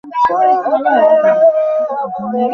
ভয়ে পাংশু হয়ে গেছে!